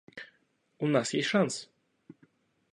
У нас есть шанс.